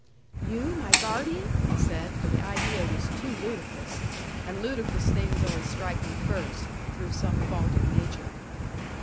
'"You my guardian!" I said, for the idea was too ludicrous; and ludicrous things always strike me first, through some fault of nature.